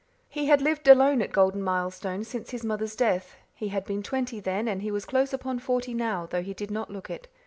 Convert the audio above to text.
He had lived alone at Golden Milestone since his mother's death; he had been twenty then and he was close upon forty now, though he did not look it.